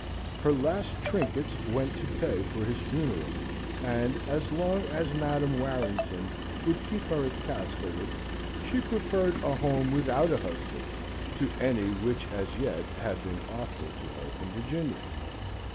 Her last trinkets went to pay his funeral; and, as long as Madam Warrington would keep her at Castlewood, she preferred a home without a husband to any which as yet had been offered to her in Virginia.